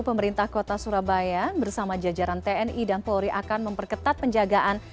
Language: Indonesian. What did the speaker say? pemerintah kota surabaya bersama jajaran tni dan polri akan memperketat penjagaan